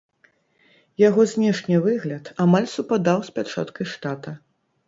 Яго знешні выгляд амаль супадаў з пячаткай штата.